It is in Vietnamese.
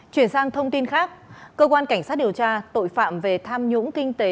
chuyển sang thông tin khác cơ quan cảnh sát điều tra tội phạm về tham nhũng kinh tế